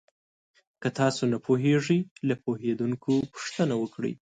که تاسو نه پوهېږئ، له پوهېدونکو پوښتنه وکړئ.